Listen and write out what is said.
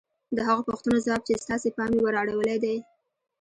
د هغو پوښتنو ځواب چې ستاسې پام يې ور اړولی دی.